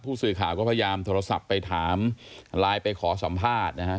ผู้สื่อข่าวก็พยายามโทรศัพท์ไปถามไลน์ไปขอสัมภาษณ์นะฮะ